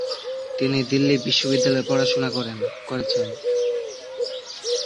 তিনি দিল্লি বিশ্ববিদ্যালয়ে পড়াশোনা করেছেন।